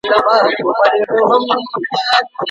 ستړی ستومانه سمندر